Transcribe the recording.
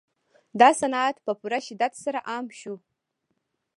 دا صنعت په پوره شدت سره عام شو